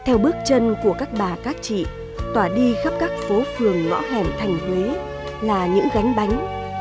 theo bước chân của các bà các chị tỏa đi khắp các phố phường ngõ hẻm thành huế là những gánh bánh